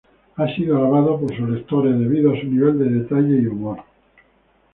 Ha sido alabado por sus lectores debido a su nivel de detalle y humor.